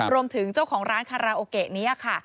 เจ้าของร้านคาราโอเกะนี้ค่ะ